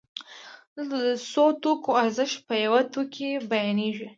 دلته د څو توکو ارزښت په یو توکي کې بیانېږي